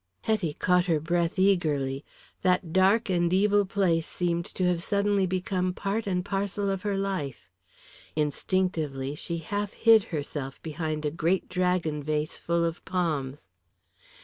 Hetty caught her breath eagerly. That dark and evil place seemed to have suddenly become part and parcel of her life. Instinctively she half hid herself behind a great dragon vase full of palms.